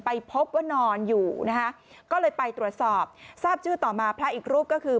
ไปพบว่านอนอยู่นะคะก็เลยไปตรวจสอบทราบชื่อต่อมาพระอีกรูปก็คือ